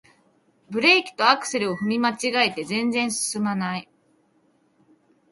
ブレーキとアクセルを踏み間違えて全然すすまない